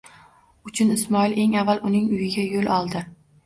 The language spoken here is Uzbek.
Uchun Ismoil eng avval uning uyiga yo'l oldi.